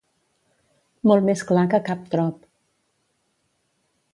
Molt més clar que cap trop.